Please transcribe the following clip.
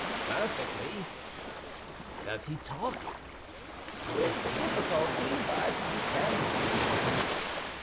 "Perfectly." "Does he talk?" "With difficulty, but he can speak."